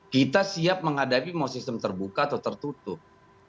kita siap menghadapi mau sistem terbuka atau tertutup